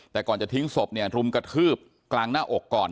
แต่ก่อนจะทิ้งสบดูมกระทืบกลางหน้าอกก่อน